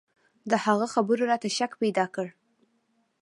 د هغه خبرو راته شک پيدا کړ.